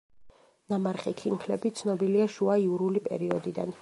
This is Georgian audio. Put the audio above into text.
ნამარხი ქინქლები ცნობილია შუა იურული პერიოდიდან.